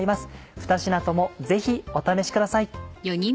ふた品ともぜひお試しください。